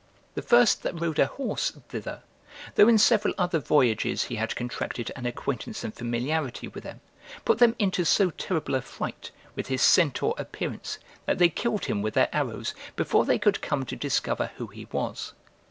The first that rode a horse thither, though in several other voyages he had contracted an acquaintance and familiarity with them, put them into so terrible a fright, with his centaur appearance, that they killed him with their arrows before they could come to discover who he was.